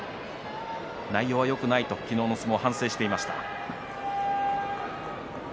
内容はよくないと昨日の相撲を反省しています。